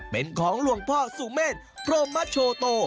เป็นของล่วงพ่อซูเมษโพรมมัศโชโต